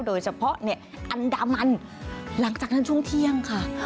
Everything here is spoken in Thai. โดยเฉพาะเนี่ยอันดามันหลังจากนั้นช่วงเที่ยงค่ะ